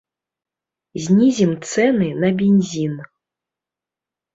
Знізім цэны на бензін.